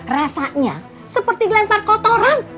rasanya seperti dilempar kotoran